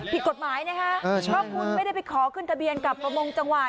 ผิดกฎหมายนะคะเพราะคุณไม่ได้ไปขอขึ้นทะเบียนกับประมงจังหวัด